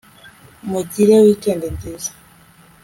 mugire weekend nziza